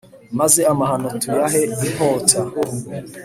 maze amahano tuyahe inkota